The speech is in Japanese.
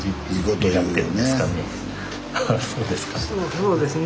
そうですか？